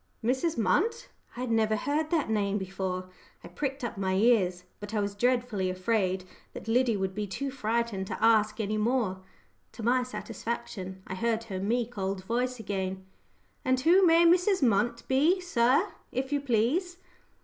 "Mrs. Munt!" I had never heard that name before. I pricked up my ears, but I was dreadfully afraid that Liddy would be too frightened to ask any more. To my satisfaction I heard her meek old voice again: "And who may Mrs. Munt be, sir, if you please?"